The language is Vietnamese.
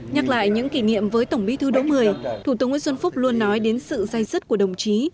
nhắc lại những kỷ niệm với tổng bí thư đỗ mười thủ tướng nguyễn xuân phúc luôn nói đến sự dây dứt của đồng chí